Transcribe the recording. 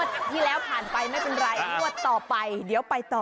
ที่แล้วผ่านไปไม่เป็นไรงวดต่อไปเดี๋ยวไปต่อ